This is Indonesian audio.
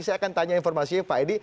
saya akan tanya informasinya pak edi